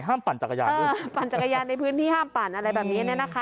ปั่นจักรยานด้วยปั่นจักรยานในพื้นที่ห้ามปั่นอะไรแบบนี้เนี่ยนะคะ